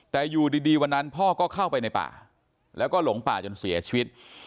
แต่อยู่ดีวันนั้นพ่อก็เข้าไปในป่าแล้วก็หลงป่าจนเสียชีวิต